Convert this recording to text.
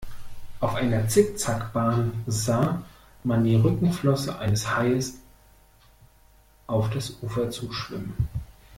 Auf einer Zickzack-Bahn sah man die Rückenflosse eines Hais auf das Ufer zuschwimmen.